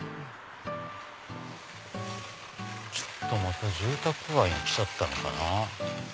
また住宅街に来ちゃったのかな。